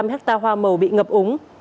hai mươi năm hecta hoa màu bị ngập úng